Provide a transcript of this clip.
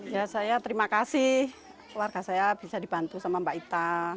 ya saya terima kasih keluarga saya bisa dibantu sama mbak ita